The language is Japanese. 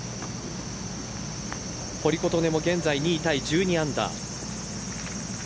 堀琴音も現在２位タイ１２アンダー。